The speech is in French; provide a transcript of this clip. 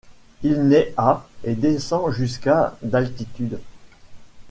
Il naît à et descend jusqu'à d'altitude.